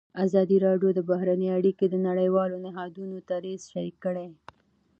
ازادي راډیو د بهرنۍ اړیکې د نړیوالو نهادونو دریځ شریک کړی.